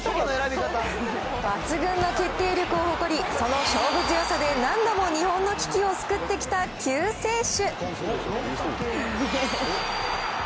抜群の決定力を誇り、その勝負強さで何度も日本の危機を救ってきた救世主。